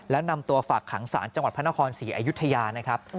และนำตัวฝากขังสารจังหวัดพนธคร๔อายุทยานะครับ